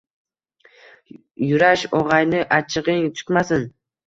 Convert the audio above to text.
Yurash, ogʻayni, achchigʻing chiqmasin…